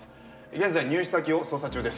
現在入手先を捜査中です。